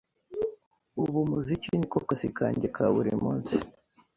Ubu umuziki ni ko kazi kange ka buri munsi.